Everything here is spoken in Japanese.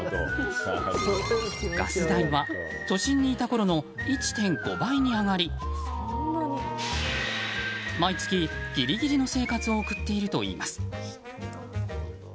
ガス代は都心にいたころの１．５倍に上がり毎月ギリギリの生活を送っているといいます。